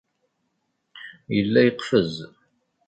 Yella yeqfez.